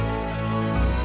udah gua mau tidur